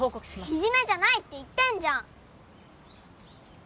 いじめじゃないって言ってんじゃん！